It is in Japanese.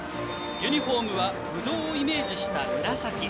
ユニフォームはぶどうをイメージした紫。